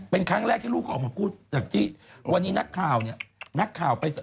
เป็นครั้งแรกที่ลูกเขาออกมาพูดจากที่วันนี้นักข่าว